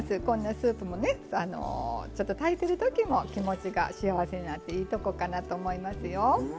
こんなスープもねちょっと炊いてる時も気持ちが幸せになっていいとこかなと思いますよ。